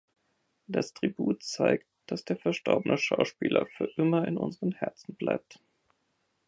Das Tribut zeigt, dass der verstorbene Schauspieler für immer in unseren Herzen bleibt.